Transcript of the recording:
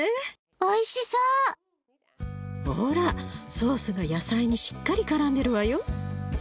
ほらソースが野菜にしっかりからんでるわよ。